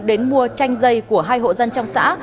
đến mua chanh dây của hai hộ dân trong xã